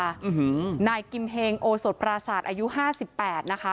อึหือณอิคกิมเพคงโอสดปราสาธิ์อายุห้าสิบแปดนะคะ